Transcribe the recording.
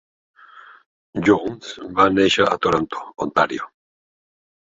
Johns va néixer a Toronto, Ontario.